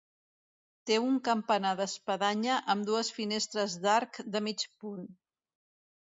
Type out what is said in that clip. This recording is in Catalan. Té un campanar d'espadanya amb dues finestres d'arc de mig punt.